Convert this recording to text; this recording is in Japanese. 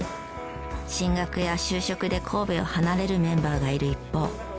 進学や就職で神戸を離れるメンバーがいる一方